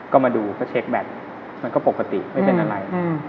ก็มาดูก็เช็คแบตมันก็ปกติไม่เป็นอะไร